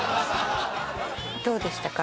どうでしたか？